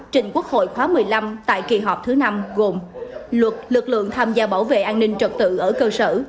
trình quốc hội khóa một mươi năm tại kỳ họp thứ năm gồm luật lực lượng tham gia bảo vệ an ninh trật tự ở cơ sở